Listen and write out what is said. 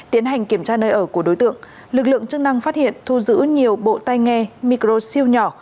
tiến hành kiểm tra nơi ở của đối tượng lực lượng chức năng phát hiện thu giữ nhiều bộ tay nghe micros siêu nhỏ